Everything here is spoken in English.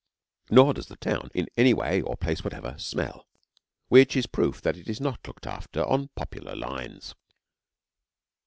Nor does the town, in any way or place whatever, smell which is proof that it is not looked after on popular lines.